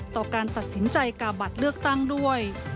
ต่อการตัดสินใจกาบัตรเลือกตั้งด้วย